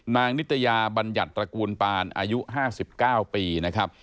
นิตยาบัญญัติตระกูลปานอายุ๕๙ปีนะครับ